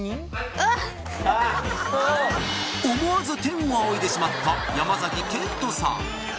ああ思わず天を仰いでしまった山賢人さん